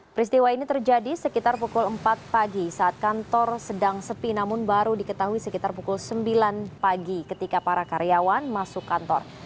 peristiwa ini terjadi sekitar pukul empat pagi saat kantor sedang sepi namun baru diketahui sekitar pukul sembilan pagi ketika para karyawan masuk kantor